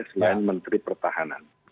selain menteri pertahanan